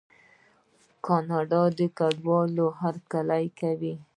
کاناډا د کډوالو هرکلی کوي.